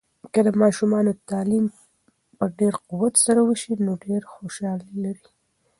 که د ماشومانو تعلیم په ډیر قوت سره وسي، نو ډیر خوشحالي لري.